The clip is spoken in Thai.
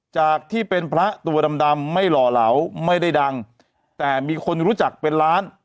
จากที่เป็นพระตัวดำดำไม่หล่อเหลาไม่ได้ดังแต่มีคนรู้จักเป็นล้าน